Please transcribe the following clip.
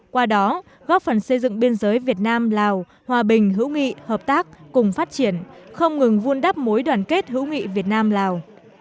qua đó góp phần xây dựng biên giới việt nam lào hòa bình hữu nghị hợp tác cùng phát triển không ngừng vun đắp mối đoàn kết hữu nghị việt nam lào